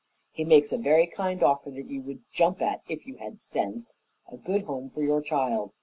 "He makes a very kind offer that you would jump at if you had sense a good home for your child.